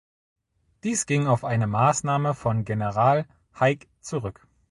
Dies ging auf eine Maßnahme von General Haig zurück.